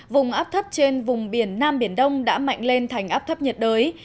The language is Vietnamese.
vùng áp thấp trên vùng biển nam biển đông đã mạnh lên thành áp thấp nhiệt đới